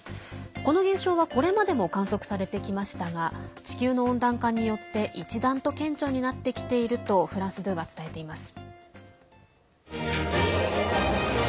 この現象はこれまでも観測されてきましたが地球の温暖化によって一段と顕著になってきているとフランス２は伝えています。